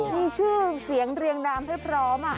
มีชื่อเสียงเรียงนามให้พร้อม